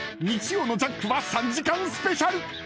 日曜の「ジャンク」は３時間スペシャル。